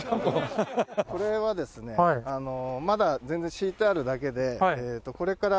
これはですねまだ全然敷いてあるだけでこれから